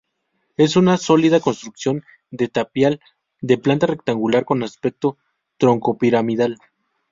Es una sólida construcción de tapial, de planta rectangular con aspecto troncopiramidal.